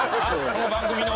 この番組の？